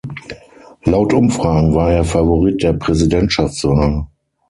Laut Umfragen war er Favorit der Präsidentschaftswahl.